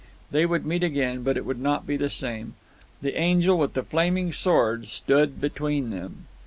They would meet again, but it would not be the same. The angel with the flaming sword stood between them.